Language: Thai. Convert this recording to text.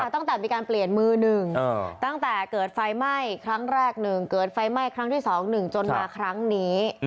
ตั้งแต่มีการเปลี่ยนมือหนึ่งตั้งแต่เกิดไฟไหม้ครั้งแรก๑เกิดไฟไหม้ครั้งที่๒๑จนมาครั้งนี้